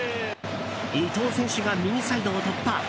伊東選手が右サイドを突破。